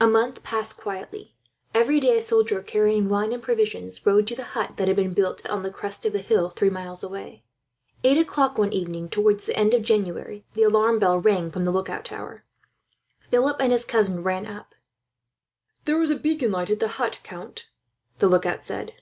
A month passed quietly. Every day, a soldier carrying wine and provisions rode to the hut that had been built, on the crest of the hill three miles away. Eight o'clock one evening, towards the end of January, the alarm bell rang from the lookout tower. Philip and his cousin ran up. "There is the beacon alight at the hut, count," the lookout said.